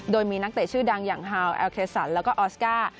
โดยมีนักเตะชื่อดังอย่างฮาวแอลเคสันแล้วก็ออสการ์